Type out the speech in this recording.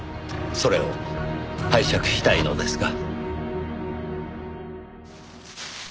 それを拝借したいのですが。